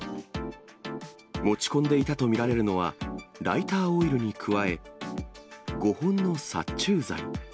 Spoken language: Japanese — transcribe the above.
持ち込んでいたと見られるのは、ライターオイルに加え、５本の殺虫剤。